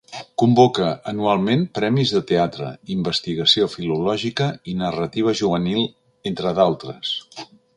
Convoca anualment premis de teatre, investigació filològica i narrativa juvenil, entre d'altres.